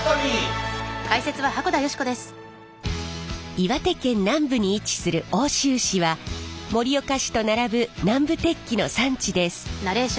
岩手県南部に位置する奥州市は盛岡市と並ぶ南部鉄器の産地です。